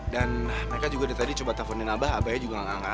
dan mereka juga dari tadi coba teleponin abah abahnya juga nggak angkat